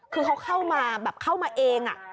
คือเขาเข้ามาแบบเข้ามาเอง